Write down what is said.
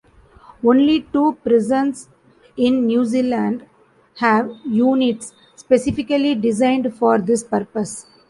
Only two prisons in New Zealand have units specifically designed for this purpose.